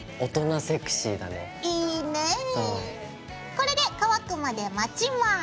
これで乾くまで待ちます。